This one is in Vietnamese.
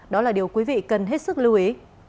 đó là điều quý vị cần hết sức lưu ý